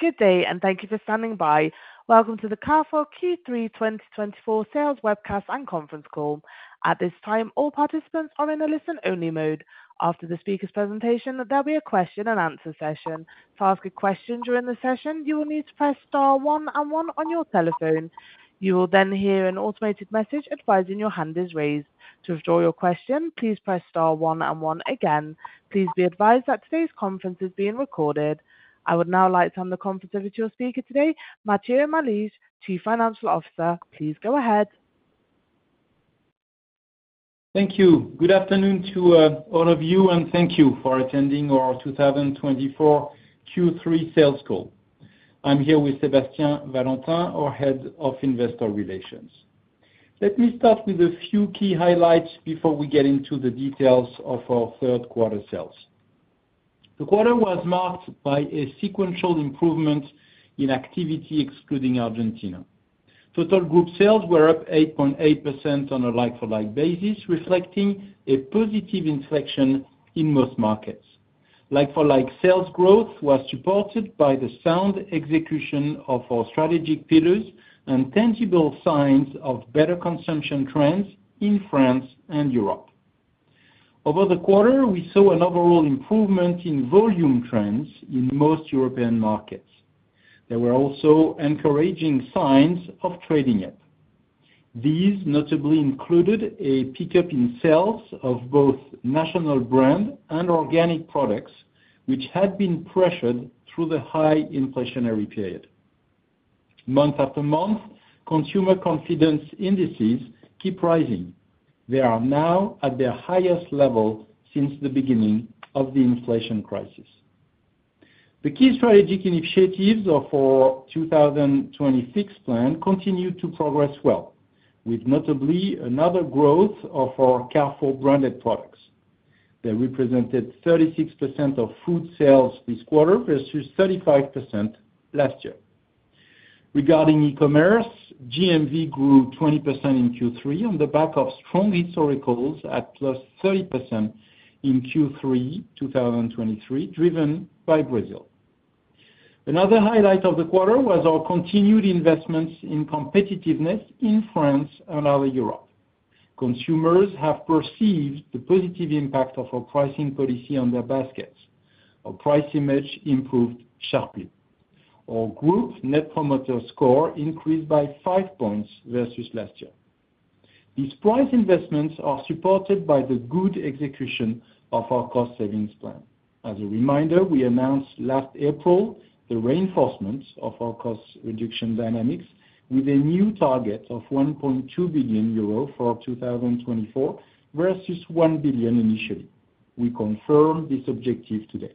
Good day, and thank you for standing by. Welcome to the Carrefour Q3 2024 Sales Webcast and Conference Call. At this time, all participants are in a listen-only mode. After the speaker's presentation, there'll be a question-and-answer session. To ask a question during the session, you will need to press star one and one on your telephone. You will then hear an automated message advising your hand is raised. To withdraw your question, please press star one and one again. Please be advised that today's conference is being recorded. I would now like to hand the conference over to your speaker today, Matthieu Malige, Chief Financial Officer. Please go ahead. Thank you. Good afternoon to all of you, and thank you for attending our 2024 Q3 sales call. I'm here with Sébastien Valentin, our Head of Investor Relations. Let me start with a few key highlights before we get into the details of our third quarter sales. The quarter was marked by a sequential improvement in activity, excluding Argentina. Total group sales were up 8.8% on a like-for-like basis, reflecting a positive inflection in most markets. Like-for-like sales growth was supported by the sound execution of our strategic pillars and tangible signs of better consumption trends in France and Europe. Over the quarter, we saw an overall improvement in volume trends in most European markets. There were also encouraging signs of trading up. These notably included a pickup in sales of both national brand and organic products, which had been pressured through the high inflationary period. Month after month, consumer confidence indices keep rising. They are now at their highest level since the beginning of the inflation crisis. The key strategic initiatives of our 2026 plan continue to progress well, with notably another growth of our Carrefour branded products. They represented 36% of food sales this quarter, versus 35% last year. Regarding e-commerce, GMV grew 20% in Q3 on the back of strong historicals at +30% in Q3 2023, driven by Brazil. Another highlight of the quarter was our continued investments in competitiveness in France and other Europe. Consumers have perceived the positive impact of our pricing policy on their baskets. Our price image improved sharply. Our group Net Promoter Score increased by five points versus last year. These price investments are supported by the good execution of our cost savings plan. As a reminder, we announced last April the reinforcement of our cost reduction dynamics with a new target of 1.2 billion euro for 2024, versus 1 billion initially. We confirm this objective today.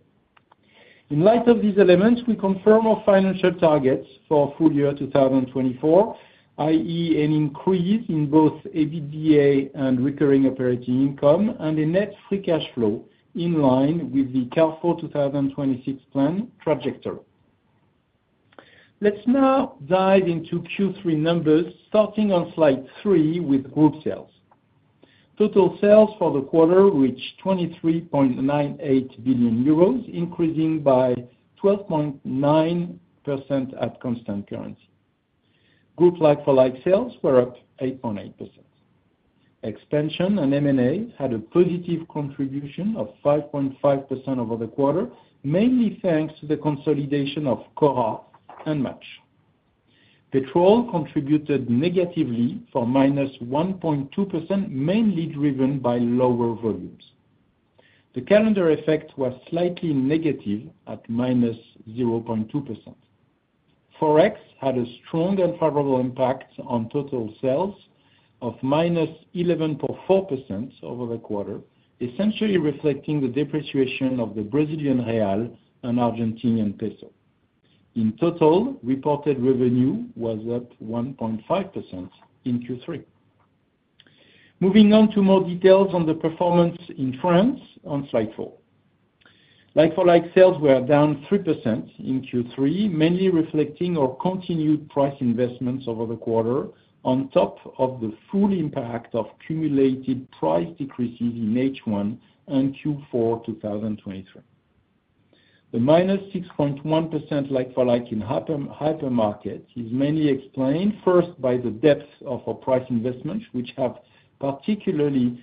In light of these elements, we confirm our financial targets for full year 2024, i.e., an increase in both EBITDA and recurring operating income, and a net free cash flow in line with the Carrefour 2026 plan trajectory. Let's now dive into Q3 numbers, starting on slide 3 with group sales. Total sales for the quarter reached 23.98 billion euros, increasing by 12.9% at constant currency. Group like-for-like sales were up 8.8%. Expansion and M&A had a positive contribution of 5.5% over the quarter, mainly thanks to the consolidation of Cora and Match. Petrol contributed negatively for -1.2%, mainly driven by lower volumes. The calendar effect was slightly negative, at -0.2%. Forex had a strong and favorable impact on total sales of -11.4% over the quarter, essentially reflecting the depreciation of the Brazilian real and Argentine peso. In total, reported revenue was up 1.5% in Q3. Moving on to more details on the performance in France on slide four. Like-for-like sales were down 3% in Q3, mainly reflecting our continued price investments over the quarter, on top of the full impact of cumulative price decreases in H1 and Q4, 2023. The -6.1% like-for-like in hypermarket is mainly explained, first, by the depth of our price investments, which were particularly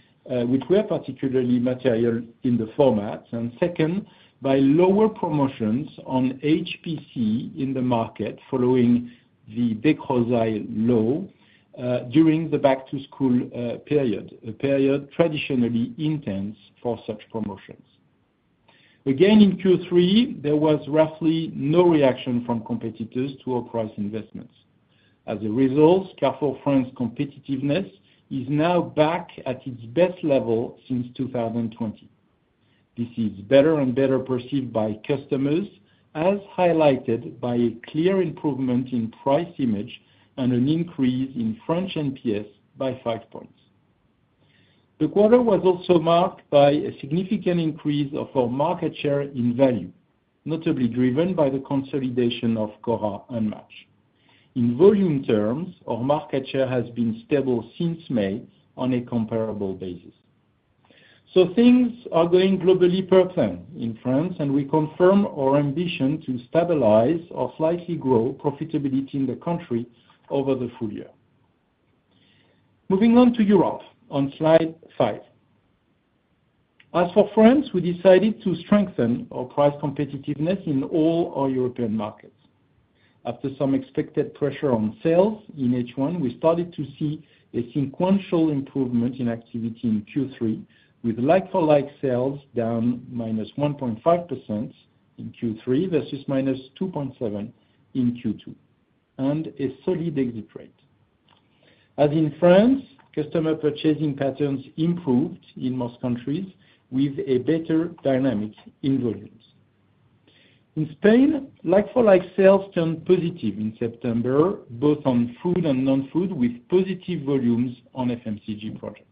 material in the format, and second, by lower promotions on HPC in the market, following the Descrozaille law, during the back-to-school period, a period traditionally intense for such promotions. Again, in Q3, there was roughly no reaction from competitors to our price investments. As a result, Carrefour France competitiveness is now back at its best level since 2020. This is better and better perceived by customers, as highlighted by a clear improvement in price image and an increase in French NPS by five points. The quarter was also marked by a significant increase of our market share in value, notably driven by the consolidation of Cora and Match. In volume terms, our market share has been stable since May on a comparable basis. So things are going globally per ton in France, and we confirm our ambition to stabilize or slightly grow profitability in the country over the full year. Moving on to Europe, on slide 5. As for France, we decided to strengthen our price competitiveness in all our European markets. After some expected pressure on sales in H1, we started to see a sequential improvement in activity in Q3, with like-for-like sales down -1.5% in Q3, versus -2.7% in Q2, and a solid exit rate. As in France, customer purchasing patterns improved in most countries, with a better dynamic in volumes. In Spain, like-for-like sales turned positive in September, both on food and non-food, with positive volumes on FMCG products.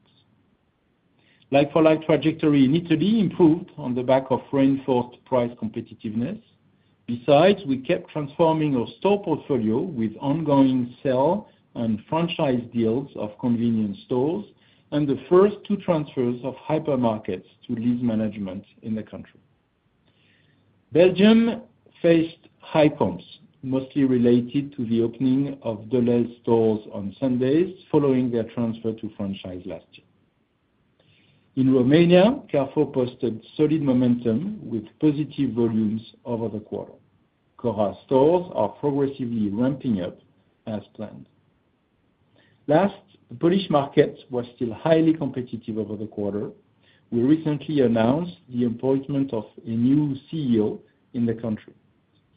Like-for-like trajectory in Italy improved on the back of reinforced price competitiveness. Besides, we kept transforming our store portfolio with ongoing sale and franchise deals of convenience stores, and the first two transfers of hypermarkets to lead management in the country. Belgium faced high comps, mostly related to the opening of Delhaize stores on Sundays, following their transfer to franchise last year. In Romania, Carrefour posted solid momentum, with positive volumes over the quarter. Cora stores are progressively ramping up as planned. Last, the Polish market was still highly competitive over the quarter. We recently announced the appointment of a new CEO in the country.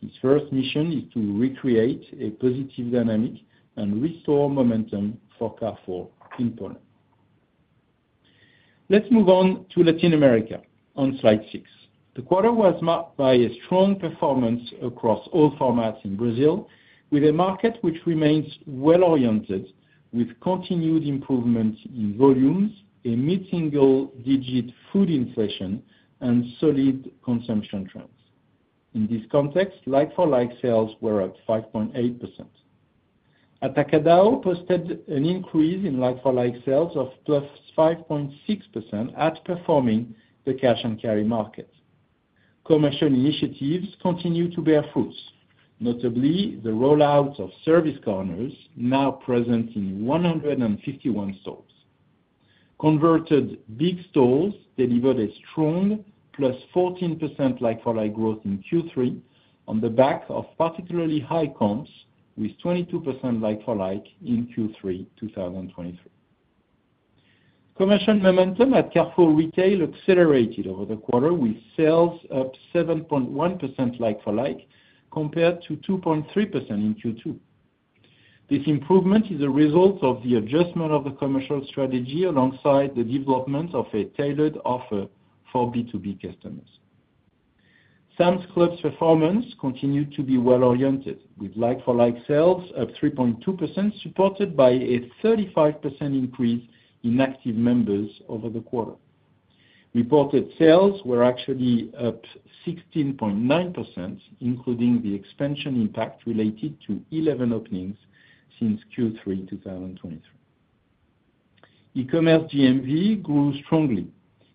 His first mission is to recreate a positive dynamic and restore momentum for Carrefour in Poland. Let's move on to Latin America on slide 6. The quarter was marked by a strong performance across all formats in Brazil, with a market which remains well-oriented, with continued improvement in volumes, a mid-single digit food inflation, and solid consumption trends. In this context, like-for-like sales were up 5.8%. Atacadão posted an increase in like-for-like sales of +5.6%, outperforming the cash and carry market. Commercial initiatives continue to bear fruits, notably the rollout of service corners, now present in 151 stores. Converted big stores delivered a strong +14% like-for-like growth in Q3, on the back of particularly high comps, with 22% like-for-like in Q3, 2023. Commercial momentum at Carrefour Retail accelerated over the quarter, with sales up 7.1% like-for-like, compared to 2.3% in Q2. This improvement is a result of the adjustment of the commercial strategy, alongside the development of a tailored offer for B2B customers. Sam's Club's performance continued to be well-oriented, with like-for-like sales up 3.2%, supported by a 35% increase in active members over the quarter. Reported sales were actually up 16.9%, including the expansion impact related to 11 openings since Q3, 2023. E-commerce GMV grew strongly,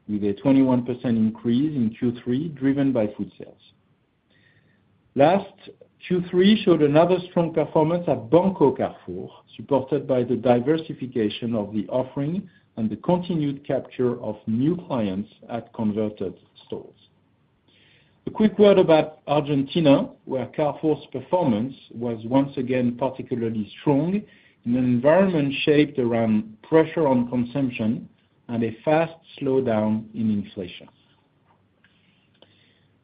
with a 21% increase in Q3, driven by food sales. Last, Q3 showed another strong performance at Banco Carrefour, supported by the diversification of the offering and the continued capture of new clients at converted stores. A quick word about Argentina, where Carrefour's performance was once again particularly strong, in an environment shaped around pressure on consumption and a fast slowdown in inflation.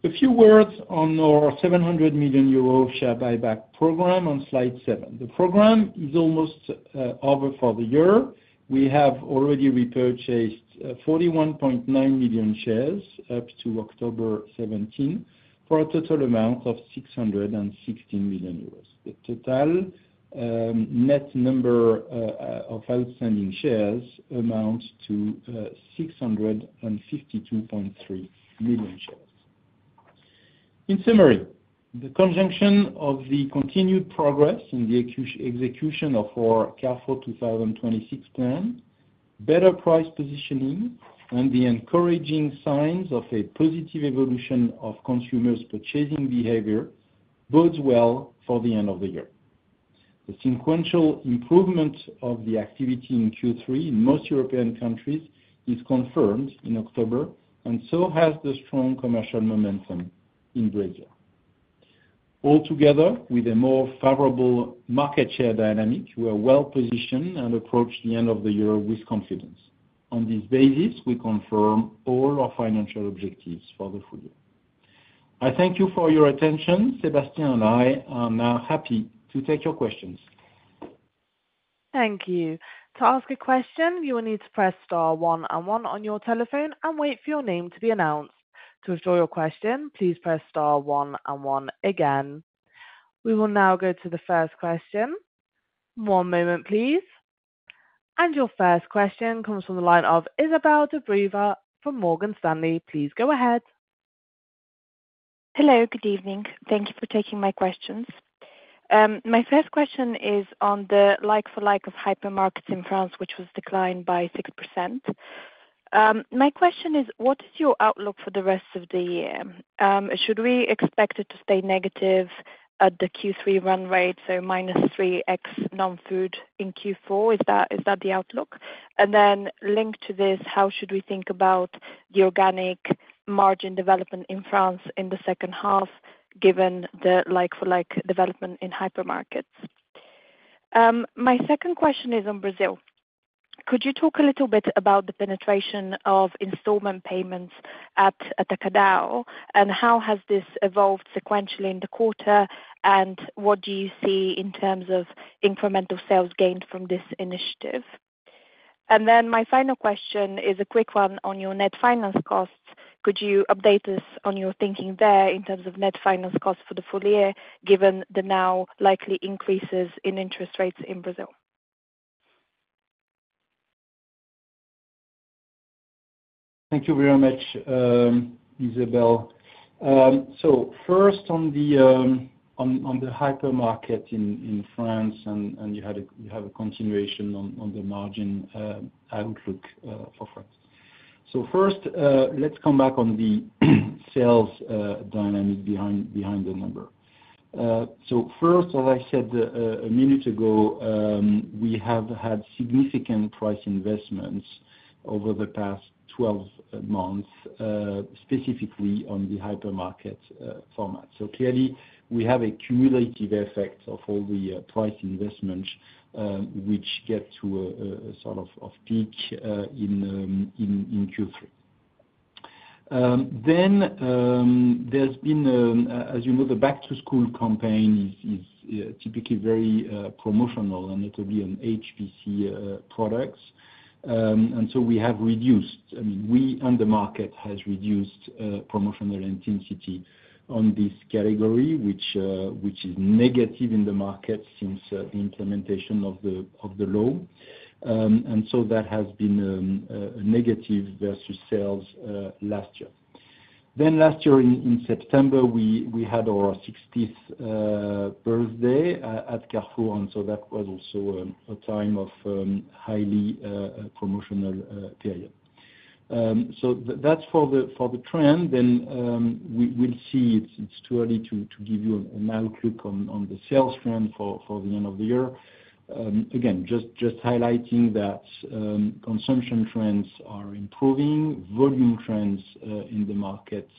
A few words on our 700 million euro share buyback program on Slide 7. The program is almost over for the year. We have already repurchased 41.9 million shares up to October seventeen, for a total amount of 616 million euros. The total net number of outstanding shares amounts to 652.3 million shares. In summary, the conjunction of the continued progress in the execution of our Carrefour 2026 plan, better price positioning, and the encouraging signs of a positive evolution of consumers' purchasing behavior bodes well for the end of the year. The sequential improvement of the activity in Q3 in most European countries is confirmed in October, and so has the strong commercial momentum in Brazil. Altogether, with a more favorable market share dynamic, we are well positioned and approach the end of the year with confidence. On this basis, we confirm all our financial objectives for the full year. I thank you for your attention. Sébastien and I are now happy to take your questions. Thank you. To ask a question, you will need to press star one and one on your telephone and wait for your name to be announced. To withdraw your question, please press star one and one again. We will now go to the first question. One moment, please. Your first question comes from the line of Izabel Dobreva from Morgan Stanley. Please go ahead. Hello, good evening. Thank you for taking my questions. My first question is on the like-for-like of hypermarkets in France, which was declined by 6%. My question is, what is your outlook for the rest of the year? Should we expect it to stay negative at the Q3 run rate, so -3 X non-food in Q4? Is that, is that the outlook? And then linked to this, how should we think about the organic margin development in France in the second half, given the like-for-like development in hypermarkets? My second question is on Brazil. Could you talk a little bit about the penetration of installment payments at Atacadão, and how has this evolved sequentially in the quarter? And what do you see in terms of incremental sales gained from this initiative? Then my final question is a quick one on your net finance costs. Could you update us on your thinking there, in terms of net finance costs for the full year, given the now likely increases in interest rates in Brazil? Thank you very much, Izabel. So first on the hypermarket in France, and you had a, you have a continuation on the margin outlook for France. So first, let's come back on the sales dynamic behind the number. So first, as I said, a minute ago, we have had significant price investments over the past 12 months, specifically on the hypermarket format. So clearly, we have a cumulative effect of all the price investments, which get to a sort of peak in Q3. Then, there's been, as you know, the back-to-school campaign is typically very promotional, and it will be on HPC products. And so we have reduced, I mean, we and the market has reduced promotional intensity on this category, which, which is negative in the market since the implementation of the law. And so that has been a negative versus sales last year. Then last year, in September, we had our 60th birthday at Carrefour, and so that was also a time of highly promotional period. So that's for the trend, and we'll see. It's too early to give you an outlook on the sales trend for the end of the year. Again, just highlighting that consumption trends are improving, volume trends in the markets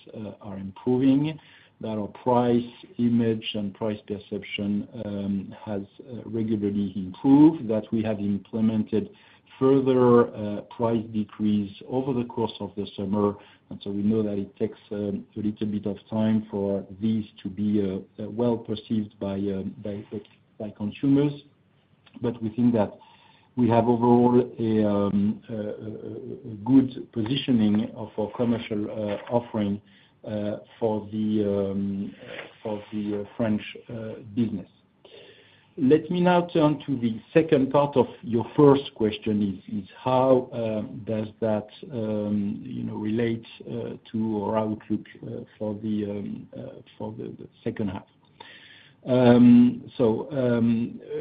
are improving, that our price image and price perception has regularly improved, that we have implemented further price decrease over the course of the summer, and so we know that it takes a little bit of time for these to be well perceived by by consumers. But we think that we have, overall, a good positioning of our commercial offering for the French business. Let me now turn to the second part of your first question, is how does that you know relate to our outlook for the second half? So,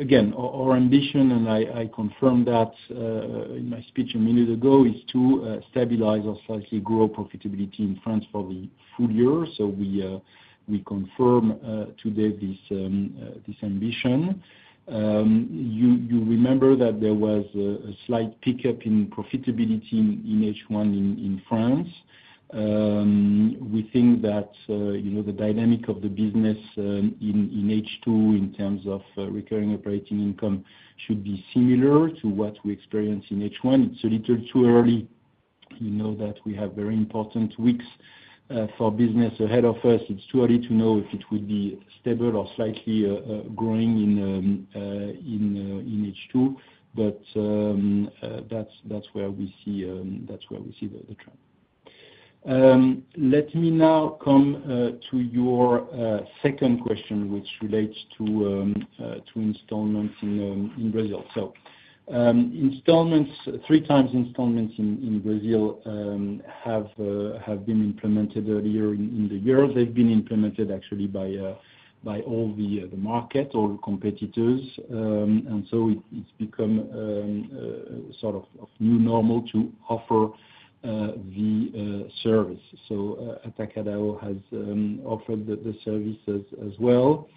again, our ambition, and I confirmed that in my speech a minute ago, is to stabilize or slightly grow profitability in France for the full year, so we confirm today this ambition. You remember that there was a slight pickup in profitability in H1 in France. We think that, you know, the dynamic of the business in H2, in terms of recurring operating income, should be similar to what we experienced in H1. It's a little too early. We know that we have very important weeks for business ahead of us. It's too early to know if it will be stable or slightly growing in H2, but that's where we see the trend. Let me now come to your second question, which relates to installments in Brazil. So, installments, three times installments in Brazil, have been implemented earlier in the year. They've been implemented actually by all the market, all competitors, and so it's become sort of new normal to offer the service. So, Atacadão has offered the service as well.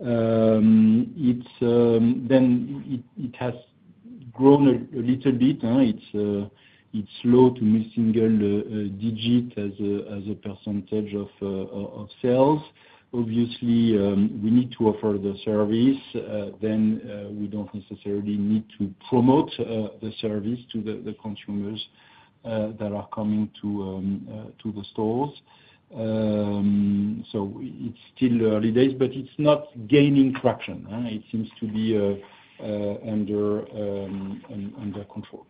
Then it has grown a little bit, it's low to mid-single digit as a percentage of sales. Obviously, we need to offer the service, then we don't necessarily need to promote the service to the consumers that are coming to the stores. So it's still early days, but it's not gaining traction, it seems to be under control.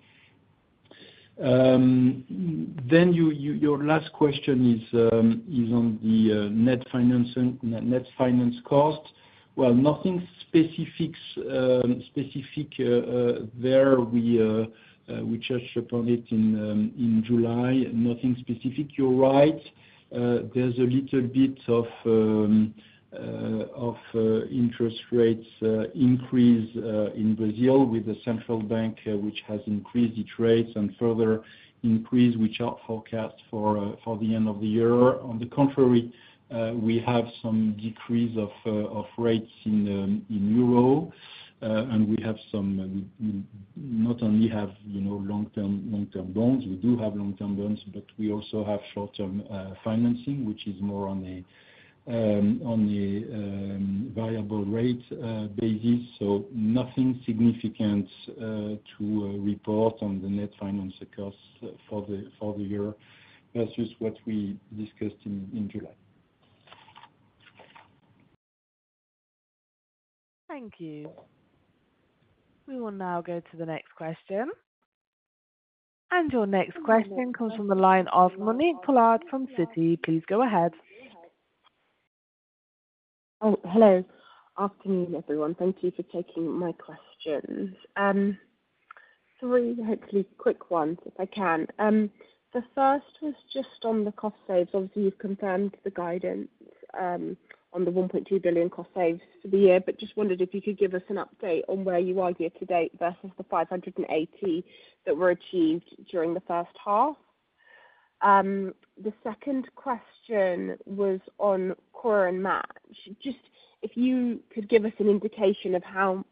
Then your last question is on the net finance cost. Well, nothing specific there. We touched upon it in July. Nothing specific. You're right, there's a little bit of interest rates increase in Brazil with the central bank, which has increased the rates and further increase, which are forecast for the end of the year. On the contrary, we have some decrease of rates in euro, and we have some, not only have, you know, long-term bonds, we do have long-term bonds, but we also have short-term financing, which is more on a variable rate basis. So nothing significant to report on the net finance costs for the year versus what we discussed in July. Thank you. We will now go to the next question. And your next question comes from the line of Monique Pollard from Citi. Please go ahead. Oh, hello. Afternoon, everyone, thank you for taking my questions. Three hopefully quick ones, if I can. The first was just on the cost saves. Obviously, you've confirmed the guidance, on the 1.2 billion cost saves for the year, but just wondered if you could give us an update on where you are year to date versus the 580 that were achieved during the first half? The second question was on Cora and Match. Just if you could give us an indication of how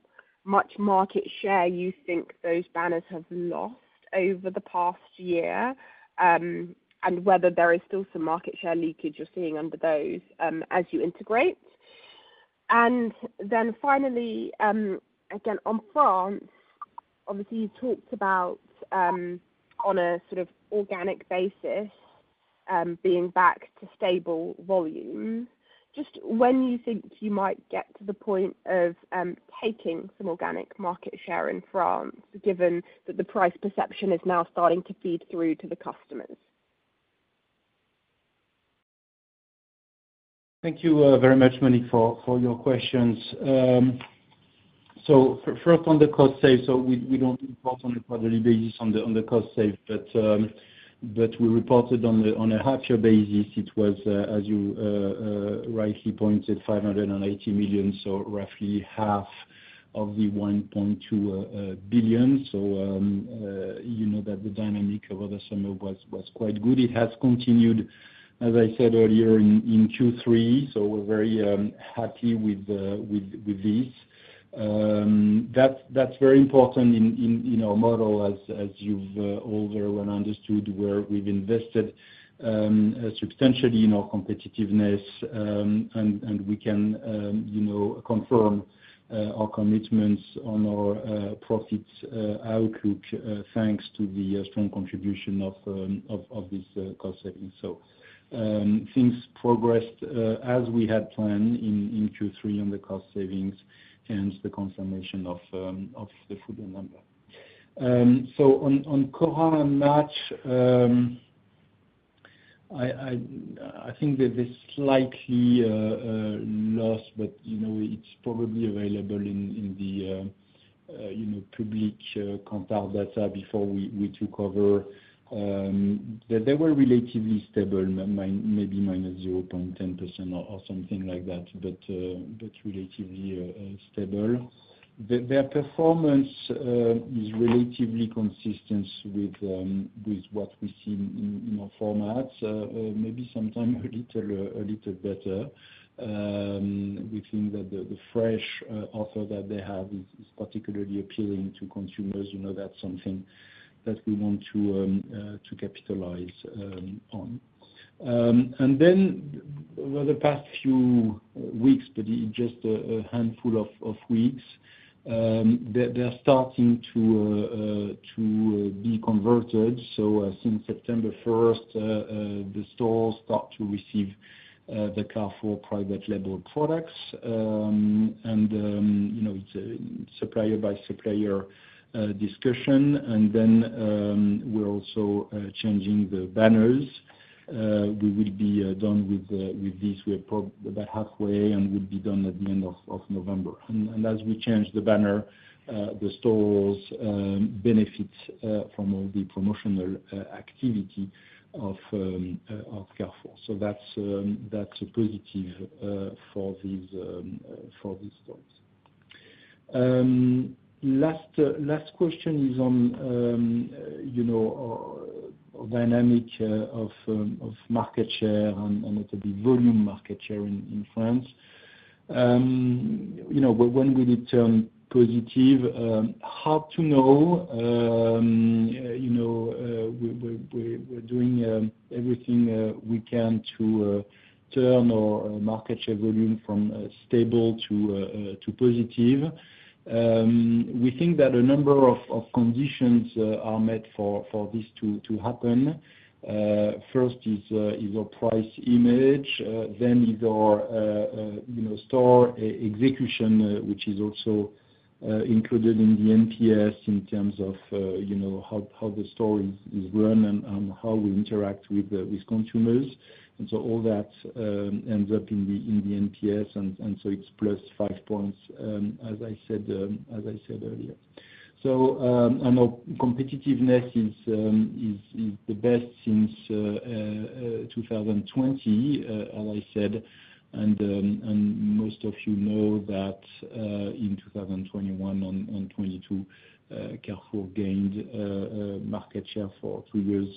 much market share you think those banners have lost over the past year, and whether there is still some market share leakage you're seeing under those, as you integrate. And then finally, again, on France, obviously, you talked about, on a sort of organic basis, being back to stable volume. Just when you think you might get to the point of taking some organic market share in France, given that the price perception is now starting to feed through to the customers? Thank you, very much, Monique, for your questions. So first on the cost savings, so we don't report on a quarterly basis on the cost savings, but we reported on a half-year basis, it was, as you rightly pointed, 580 million, so roughly half of the 1.2 billion. So, you know, that the dynamic over the summer was quite good. It has continued, as I said earlier, in Q3, so we're very happy with this. That's very important in our model as you've all very well understood, where we've invested substantially in our competitiveness. And we can, you know, confirm our commitments on our profits outlook, thanks to the strong contribution of this cost savings. So, things progressed as we had planned in Q3 on the cost savings and the confirmation of the full number. So on Cora and Match, I think that they slightly lost, but, you know, it's probably available in the public contact data before we took over. They were relatively stable, maybe -0.10% or something like that, but relatively stable. Their performance is relatively consistent with what we see in our formats. Maybe sometimes a little better. We think that the fresh offer that they have is particularly appealing to consumers. You know, that's something that we want to capitalize on. And then over the past few weeks, but just a handful of weeks, they're starting to be converted. So, since 1st September, the stores start to receive the Carrefour private label products. And, you know, it's a supplier by supplier discussion. And then, we're also changing the banners. We will be done with this, we're about halfway and will be done at the end of November. And as we change the banner, the stores benefit from all the promotional activity of Carrefour. That's a positive for these stores. Last question is on, you know, the dynamics of market share and a little bit volume market share in France. You know, but when will it turn positive? Hard to know. You know, we're doing everything we can to turn our market share volume from stable to positive. We think that a number of conditions are met for this to happen. First is our price image, then is our, you know, store execution, which is also included in the NPS in terms of, you know, how the store is run and how we interact with the consumers. And so all that ends up in the NPS and so it's +5 points, as I said earlier. So, and our competitiveness is the best since 2020, as I said, and most of you know that, in 2021 and 2022, Carrefour gained market share for two years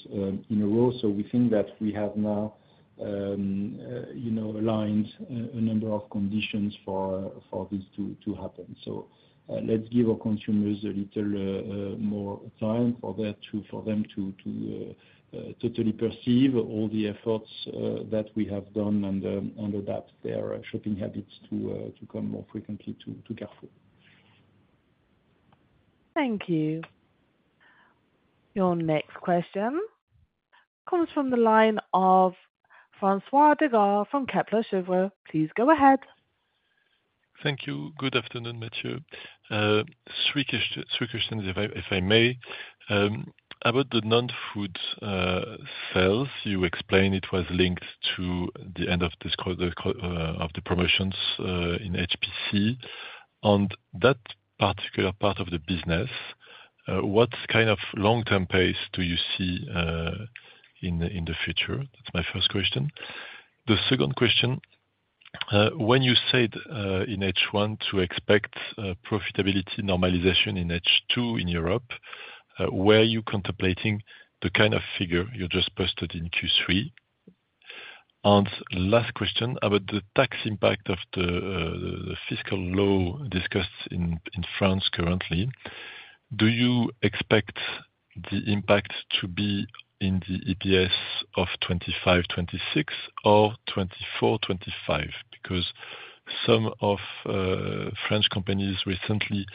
in a row. So we think that we have now, you know, aligned a number of conditions for this to happen. So, let's give our consumers a little more time for that, for them to totally perceive all the efforts that we have done and adapt their shopping habits to come more frequently to Carrefour. Thank you. Your next question comes from the line of François Digard from Kepler Cheuvreux. Please go ahead. Thank you. Good afternoon, Mathieu. Three questions, if I may. About the non-food sales, you explained it was linked to the end of this quarter of the promotions in HPC. On that particular part of the business, what kind of long-term pace do you see in the future? That's my first question. The second question, when you said in H1 to expect profitability normalization in H2 in Europe, were you contemplating the kind of figure you just posted in Q3? And last question, about the tax impact of the fiscal law discussed in France currently, do you expect the impact to be in the EPS of 2025-2026 or 2024-2025? Because some of French companies recently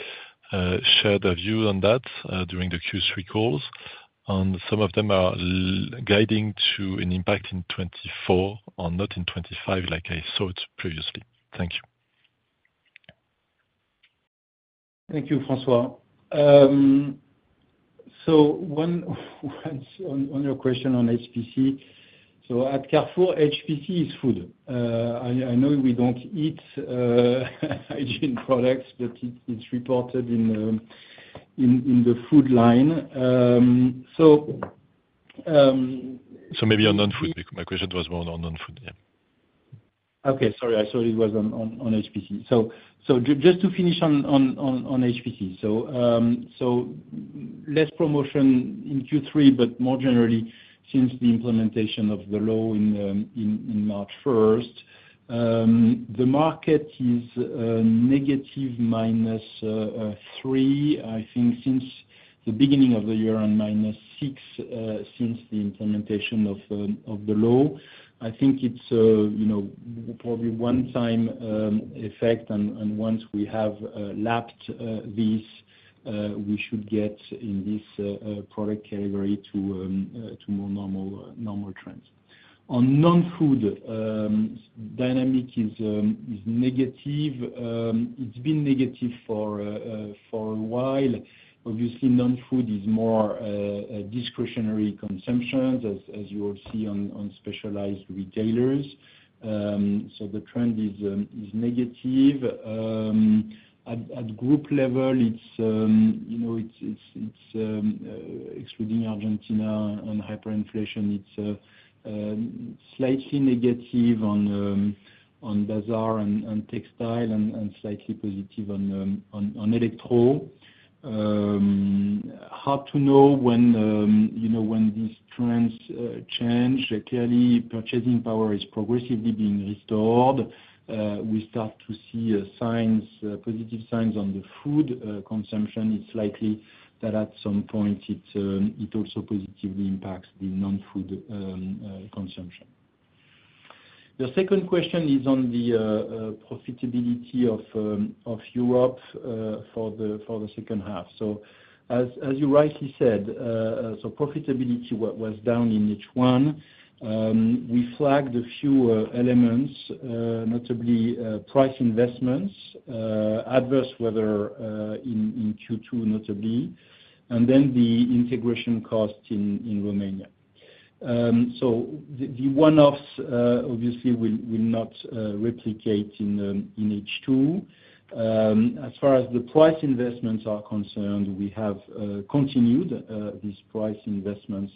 shared a view on that during the Q3 calls, and some of them are guiding to an impact in 2024 or not in 2025, like I saw it previously. Thank you. Thank you, François. On your question on HPC. At Carrefour, HPC is food. I know we don't eat hygiene products, but it's reported in the food line. Maybe on non-food, my question was more on non-food, yeah. Okay, sorry, I thought it was on HPC. So, just to finish on HPC. So, less promotion in Q3, but more generally, since the implementation of the law in 1st March, the market is negative, -3, I think since the beginning of the year, and-6 since the implementation of the law. I think it's, you know, probably one time effect, and once we have lapped this product category to more normal trends. On non-food, dynamic is negative. It's been negative for a while. Obviously, non-food is more a discretionary consumption as you will see on specialized retailers. So the trend is negative. At group level, it's you know, it's excluding Argentina on hyperinflation, it's slightly negative on bazaar and textile and slightly positive on electrical. Hard to know when you know, when these trends change. Clearly, purchasing power is progressively being restored. We start to see signs positive signs on the food consumption. It's likely that at some point, it it also positively impacts the non-food consumption. The second question is on the profitability of Europe for the second half. So as you rightly said, so profitability was down in H1. We flagged a few elements, notably price investments, adverse weather in Q2, notably, and then the integration cost in Romania, so the one-offs obviously will not replicate in H2. As far as the price investments are concerned, we have continued these price investments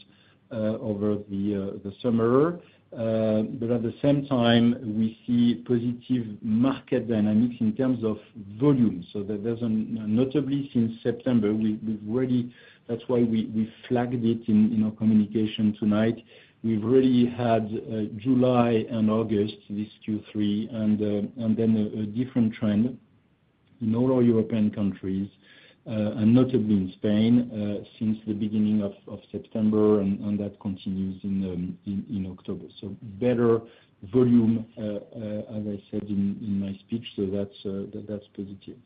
over the summer, but at the same time, we see positive market dynamics in terms of volume, so that doesn't. Notably, since September, we've already, that's why we flagged it in our communication tonight. We've already had July and August, this Q3, and then a different trend in all our European countries, and notably in Spain, since the beginning of September, and that continues in October. So better volume, as I said in my speech, so that's positive.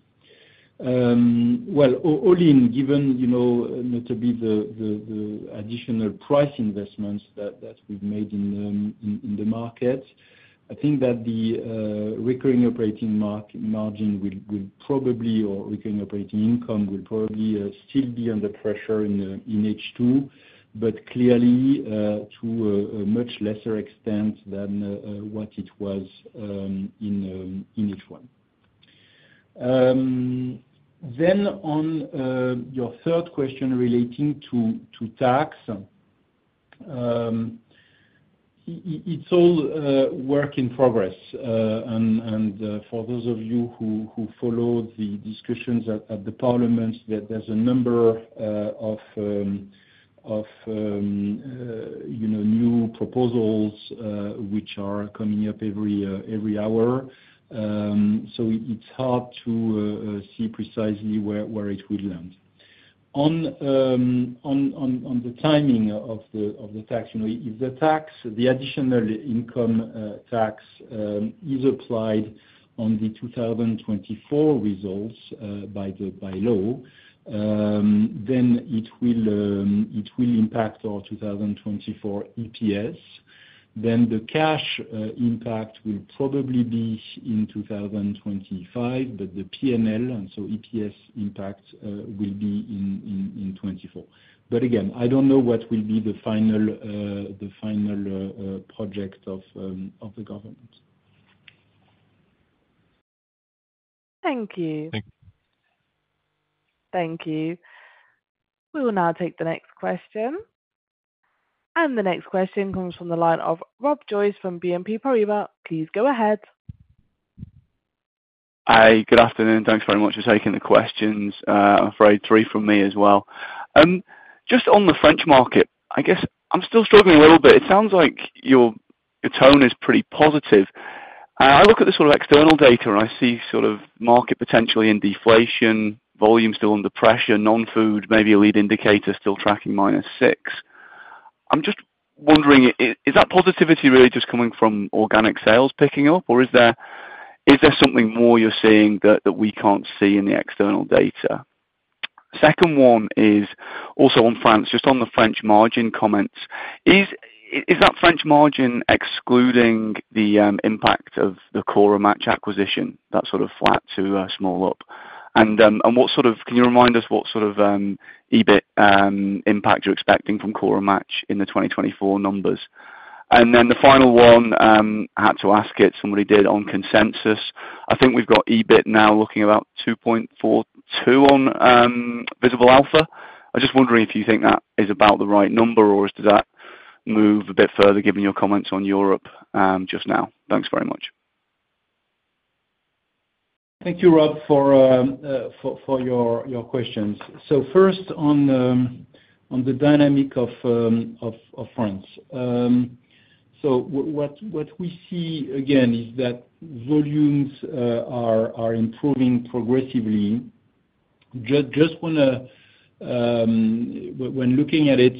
Well, all in, given, you know, notably the additional price investments that we've made in the market, I think that the recurring operating margin will probably, or recurring operating income will probably still be under pressure in H2, but clearly to a much lesser extent than what it was in H1. Then on your third question relating to tax, it's all work in progress. And for those of you who followed the discussions at the parliament, there's a number of, you know, new proposals which are coming up every hour. So it's hard to see precisely where it will land. On the timing of the tax, you know, if the tax, the additional income tax, is applied on the 2024 results by law, then it will impact our 2024 EPS. Then the cash impact will probably be in 2025, but the P&L and so EPS impact will be in 2024. But again, I don't know what will be the final project of the government. Thank you. Thank- Thank you. We will now take the next question, and the next question comes from the line of Rob Joyce from BNP Paribas. Please go ahead. Hi, good afternoon. Thanks very much for taking the questions. I'm afraid three from me as well. Just on the French market, I guess I'm still struggling a little bit. It sounds like your tone is pretty positive. I look at the sort of external data, and I see sort of market potentially in deflation, volume still under pressure, non-food, maybe a lead indicator, still tracking -6. I'm just wondering, is that positivity really just coming from organic sales picking up, or is there something more you're seeing that we can't see in the external data? Second one is also on France, just on the French margin comments. Is that French margin excluding the impact of the Cora Match acquisition, that sort of flat to small up? And, and what sort of... Can you remind us what sort of, EBIT, impact you're expecting from Cora Match in the 2024 numbers? And then the final one, I had to ask it, somebody did on consensus. I think we've got EBIT now looking about 2.42 on, Visible Alpha. I'm just wondering if you think that is about the right number, or does that move a bit further, given your comments on Europe, just now? Thanks very much. Thank you, Rob, for your questions. So first on the dynamic of France. So what we see again is that volumes are improving progressively. Just when looking at it,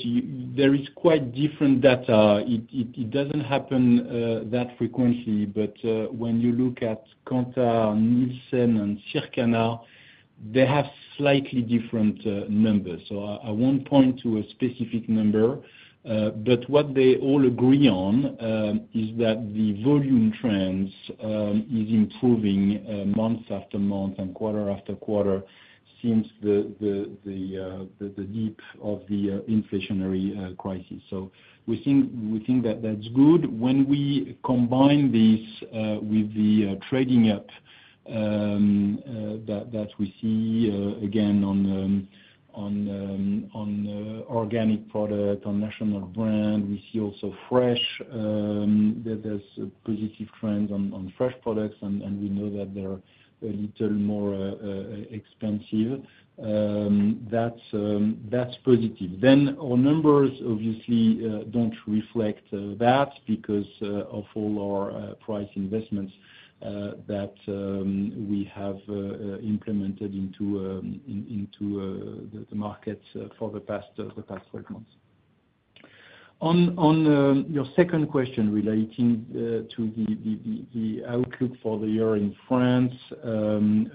there is quite different data. It doesn't happen that frequently, but when you look at Kantar, Nielsen and Circana, they have slightly different numbers. So I won't point to a specific number, but what they all agree on is that the volume trends is improving month after month and quarter after quarter since the depth of the inflationary crisis. So we think that that's good. When we combine this with the trading up that we see again on organic product, on national brand, we see also fresh that there's a positive trend on fresh products, and we know that they're a little more expensive. That's positive. Then our numbers obviously don't reflect that, because of all our price investments that we have implemented into the market for the past three months. On your second question relating to the outlook for the year in France and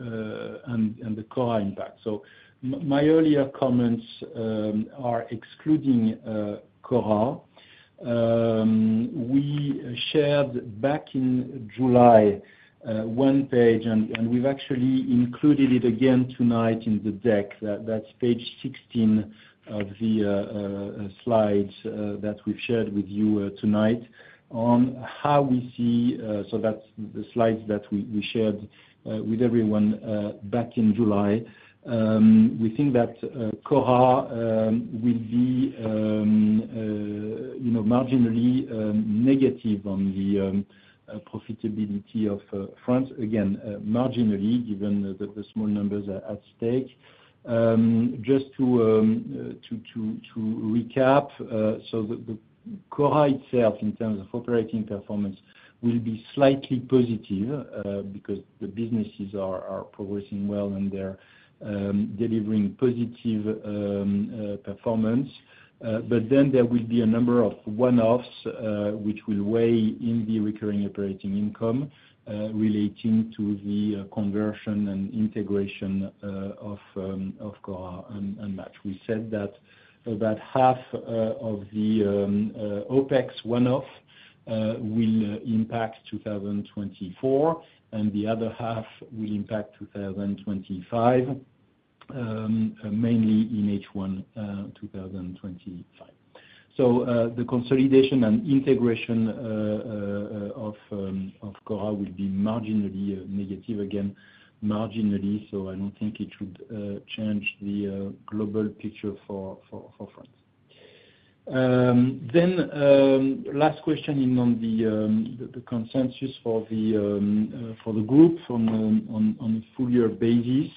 the Cora impact. So my earlier comments are excluding Cora. We shared back in July one page, and we've actually included it again tonight in the deck. That's page 16 of the slides that we've shared with you tonight, on how we see. So that's the slides that we shared with everyone back in July. We think that Cora will be, you know, marginally negative on the profitability of France. Again, marginally, given the small numbers are at stake. Just to recap, so the Cora itself in terms of operating performance will be slightly positive, because the businesses are progressing well, and they're delivering positive performance. But then there will be a number of one-offs, which will weigh in the recurring operating income, relating to the conversion and integration of Cora and Match. We said that about half of the OpEx one-off will impact 2024, and the other half will impact 2025, mainly in H1 2025. So, the consolidation and integration of Cora will be marginally negative again, marginally, so I don't think it should change the global picture for France. Then, last question on the consensus for the group on a full year basis.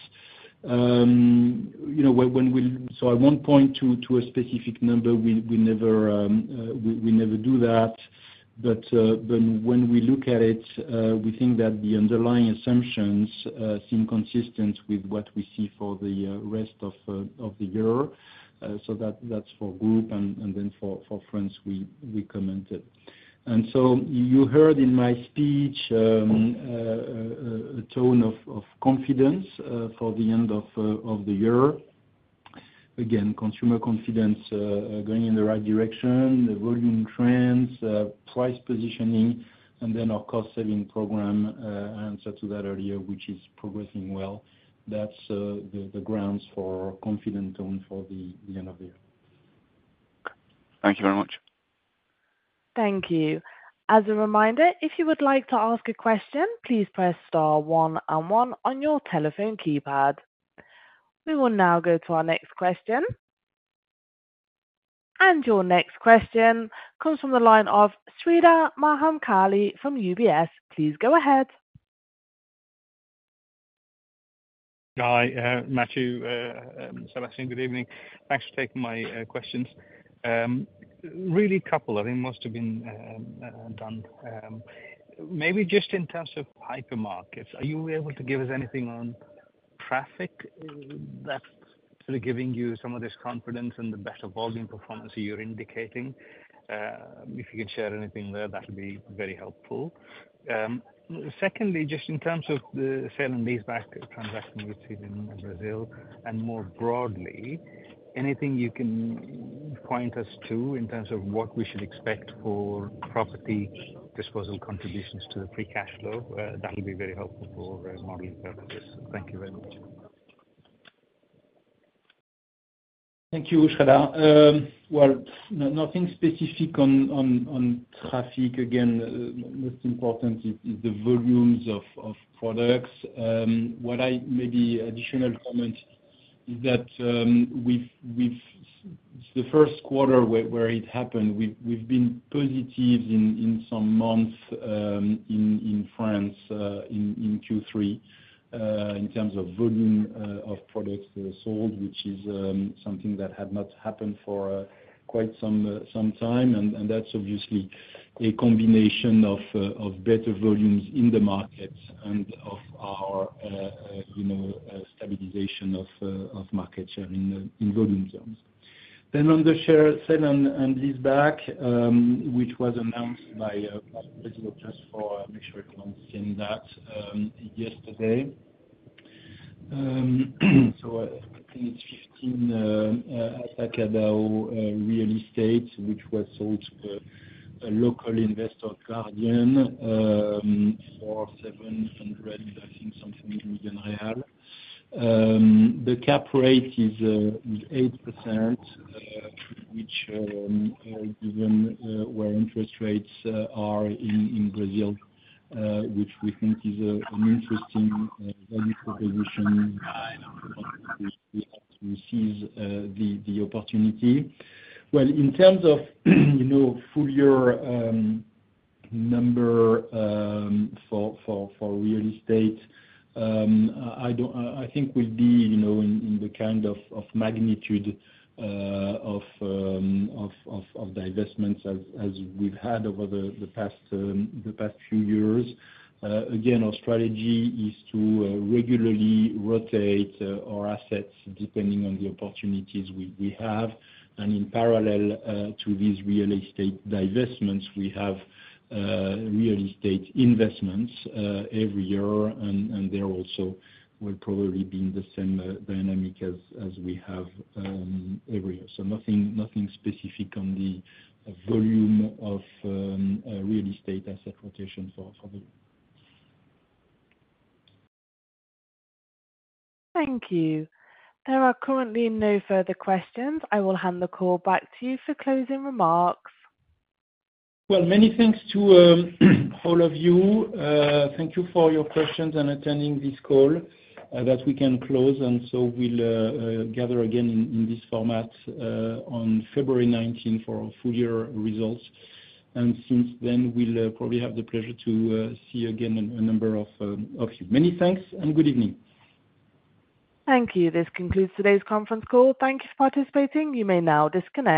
You know, when we so I won't point to a specific number we never do that. But when we look at it, we think that the underlying assumptions seem consistent with what we see for the rest of the year. So that's for group and then for France, we commented. And so you heard in my speech, a tone of confidence for the end of the year. Again, consumer confidence going in the right direction, the volume trends, price positioning, and then our cost saving program answered to that earlier, which is progressing well. That's the grounds for confident tone for the end of the year. Thank you very much. Thank you. As a reminder, if you would like to ask a question, please press star one and one on your telephone keypad. We will now go to our next question, and your next question comes from the line of Sreedhar Mahamkali from UBS. Please go ahead. Hi, Mathieu, Sébastien, good evening. Thanks for taking my questions. Really a couple, I think most have been done. Maybe just in terms of hypermarkets, are you able to give us anything on traffic that's sort of giving you some of this confidence and the better volume performance you're indicating? If you could share anything there, that would be very helpful. Secondly, just in terms of the sale and leaseback transaction we've seen in Brazil, and more broadly, anything you can point us to in terms of what we should expect for property disposal contributions to the free cash flow? That would be very helpful for modeling purposes. Thank you very much. Thank you, Sreedhar. Well, nothing specific on traffic again, most important is the volumes of products. Maybe additional comment is that we've been positive in some months in France in Q3 in terms of volume of products sold, which is something that had not happened for quite some time. And that's obviously a combination of better volumes in the market and of our you know stabilization of market share in volume terms. Then on the sale and leaseback, which was announced, just to make sure everyone's seen that, yesterday. So I think it's 15 Atacadão real estate, which was sold to a local investor, Guardian Real Estate, for 700, I think, something. The cap rate is 8%, which, given where interest rates are in Brazil, which we think is an interesting value proposition. We seize the opportunity. Well, in terms of, you know, full-year number for real estate, I don't-- I think we'll be, you know, in the kind of magnitude of divestments as we've had over the past few years. Again, our strategy is to regularly rotate our assets, depending on the opportunities we have. And in parallel to these real estate divestments, we have real estate investments every year, and they will also probably be in the same dynamic as we have every year. So nothing specific on the volume of real estate asset rotation for me. Thank you. There are currently no further questions. I will hand the call back to you for closing remarks. Many thanks to all of you. Thank you for your questions and attending this call. That we can close, and so we'll gather again in this format on February 19th for our full year results, and since then, we'll probably have the pleasure to see you again, a number of you. Many thanks, and good evening. Thank you. This concludes today's conference call. Thank you for participating. You may now disconnect.